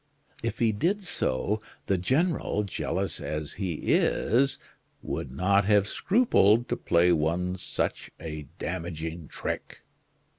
If he did so, the General, jealous as he is, would not have scrupled to play one such a damaging trick."